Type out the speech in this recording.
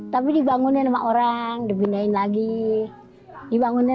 tapi dibangunin sama orang dibindahin lagi